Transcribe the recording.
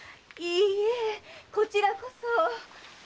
いいえこちらこそ。